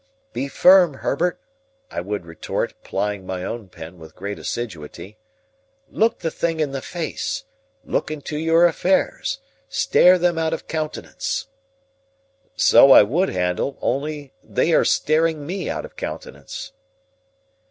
"Be firm, Herbert," I would retort, plying my own pen with great assiduity. "Look the thing in the face. Look into your affairs. Stare them out of countenance." "So I would, Handel, only they are staring me out of countenance."